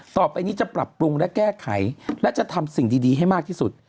ต่อไปนี้จะปรับปรุงและแก้ไขและจะทำสิ่งดีให้มากที่สุด